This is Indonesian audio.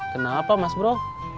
kenapa mas bro